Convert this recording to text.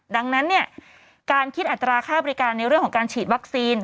ดังนั้นการคิดอัตราค่าบริการในเรื่องของการฉีดวัคซีน